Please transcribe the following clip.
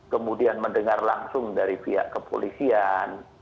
kemudian mendengar langsung dari pihak kepolisian